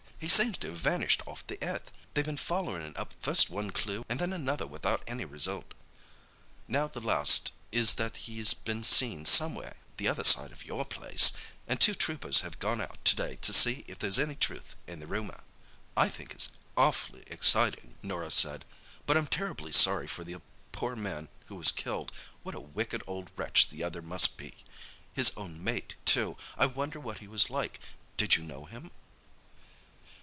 He seems to have vanished off the earth. They've bin follerin' up first one clue and then another without any result. Now the last is that he's been seen somewhere the other side of your place, an' two troopers have gone out to day to see if there's any truth in the rumour." "I think it's awfully exciting," Norah said, "but I'm terribly sorry for the poor man who was killed. What a wicked old wretch the other must be!—his own mate, too! I wonder what he was like. Did you know him?"